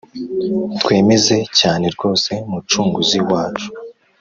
twemeze cyane rwose, mucunguzi wacu,